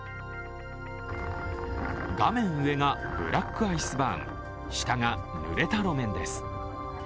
画面上がブラックアイスバーン、下がぬれた路面です。